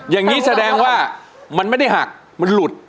อย่างนี้แสดงว่ามันไม่ได้หักมันหลุด